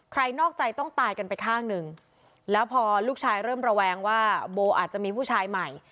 นอกใจต้องตายกันไปข้างหนึ่งแล้วพอลูกชายเริ่มระแวงว่าโบอาจจะมีผู้ชายใหม่